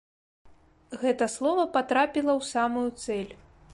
Гэта слова патрапіла ў самую цэль.